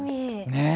ねえ。